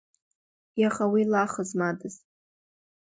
Иаха уи лаха змадаз…